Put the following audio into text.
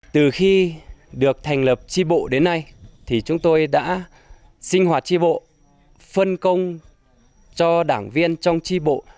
từ khi được thành lập tri bộ đến nay thì chúng tôi đã sinh hoạt tri bộ phân công cho đảng viên trong tri bộ